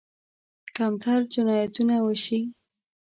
کمتر جنایتونه وشي.